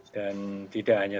dan tidak hanya